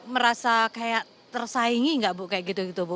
merasa kayak tersaingi nggak bu kayak gitu gitu bu